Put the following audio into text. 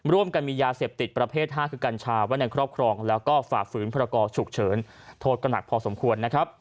ร่วมกันมียาเสพติดประเภท๕คือกัญชาไว้ในครอบครองแล้วก็ฝ่าฝืนพรกรฉุกเฉินโทษก็หนักพอสมควรนะครับ